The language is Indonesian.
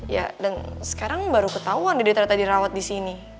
ya dan sekarang baru ketauan dia ternyata dirawat di sini